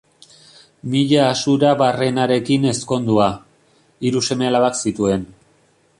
Mila Asurabarrenarekin ezkondua, hiru sema-alabak zituen.